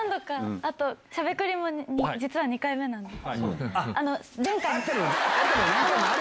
あと、しゃべくりも実は２回目なんですよ。